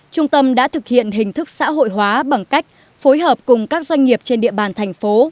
trung tâm đã thực hiện hình thức xã hội hóa bằng cách phối hợp cùng các doanh nghiệp trên địa bàn thành phố